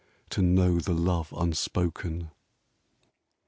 To know the love unspoken.